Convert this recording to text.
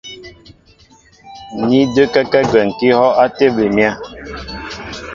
Ní də́kɛ́kɛ́ gwɛ̌m kɛ́ ihɔ́' á tébili myéŋ.